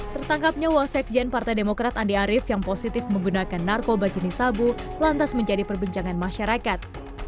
tertangkapnya wasekjen partai demokrat andi arief yang positif menggunakan narkoba jenis sabu lantas menjadi perbincangan masyarakat